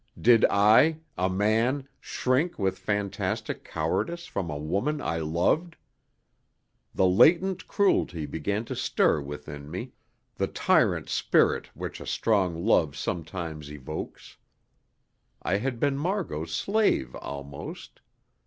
Did I, a man, shrink with a fantastic cowardice from a woman I loved? The latent cruelty began to stir within me, the tyrant spirit which a strong love sometimes evokes. I had been Margot's slave almost.